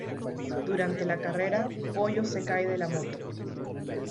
Durante la carrera, Pollo se cae de la moto.